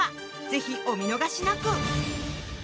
ぜひお見逃しなく。